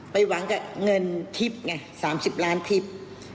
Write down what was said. หวังกับเงินทิพย์ไง๓๐ล้านทิพย์